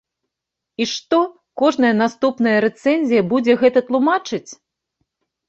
І што, кожная наступная рэцэнзія будзе гэта тлумачыць?